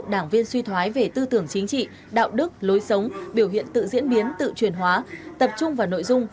đảng viên suy thoái về tư tưởng chính trị đạo đức lối sống biểu hiện tự diễn biến tự truyền hóa tập trung vào nội dung